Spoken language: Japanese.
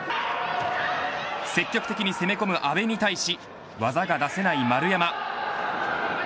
積極的に攻め込む阿部に対し技が出せない丸山。